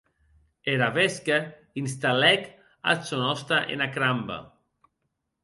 Er avesque installèc ath sòn òste ena cramba.